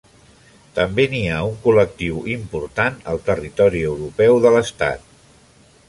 També n'hi ha un col·lectiu important al territori europeu de l'estat.